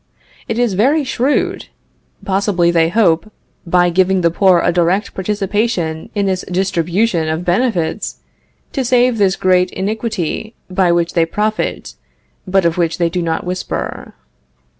It is very shrewd! Possibly they hope, by giving the poor a direct participation in this distribution of benefits, to save this great iniquity by which they profit, but of which they do not whisper.